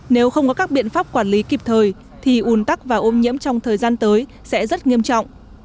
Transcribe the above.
nếu không có các biện pháp quản lý kịp thời thì ủn tắc và ô nhiễm trong thời gian tới sẽ rất nghiêm trọng